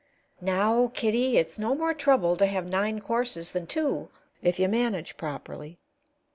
_" "Now, Kitty, it's no more trouble to have nine courses than two, if you manage properly.